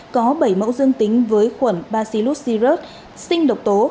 có bảy mẫu dương tính với khuẩn bacillus syrut sinh độc tố